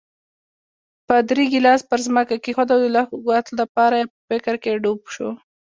پادري ګیلاس پر ځمکه کېښود او لږ وخت لپاره په فکر کې ډوب شو.